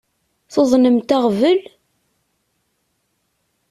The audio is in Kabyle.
Tuḍnemt aɣbel?